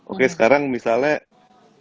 oke sekarang misalnya kayak gitu